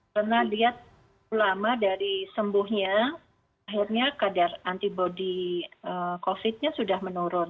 karena dia lama dari sembuhnya akhirnya kadar antibody covidnya sudah menurun